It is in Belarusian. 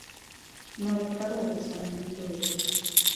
Нават карову самі не дояць.